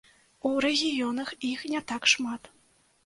У рэгіёнах іх не так шмат.